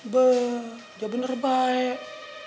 beuh gak bener baik